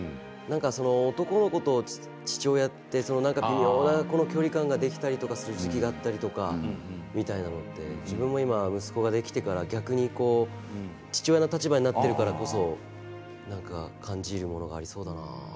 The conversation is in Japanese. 男の子と父親って微妙な距離感ができたりとかする時期があったりとかみたいなのって自分も今、息子ができてから逆に父親の立場になっているからこそ何か感じるものがありそうだなって。